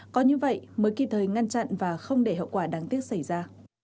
có như vậy mới kịp thời ngăn chặn và không để hậu quả đáng tiếc xảy ra